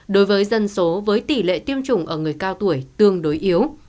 đối với dân số với tỷ lệ tiêm chủng ở người cao tuổi tương đối yếu